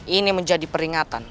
ini menjadi peringatan